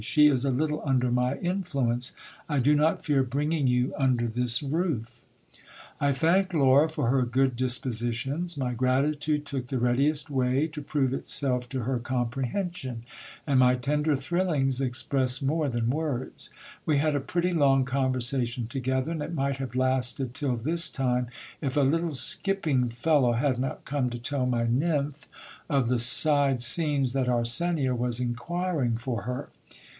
She is a little under my influence ; I do not fear bringing you under this roof. I thanked Laura for her good dispositions. My gratitude took the readiest way to prove itself to her comprehension ; and my tender thrillings expressed more than words. We had a pretty long conversation together, and it might have lasted till this time, if a little skipping fellow had not come to tell my nymph of the side scenes that Arsenia was inquiring for her.